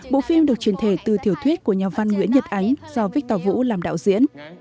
bộ phim được truyền thể từ thiểu thuyết của nhà văn nguyễn nhật ánh do victor vũ làm đạo diễn